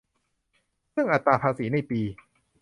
ซึ่งอัตราภาษีในปี